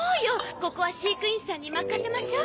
ここは飼育員さんに任せましょう。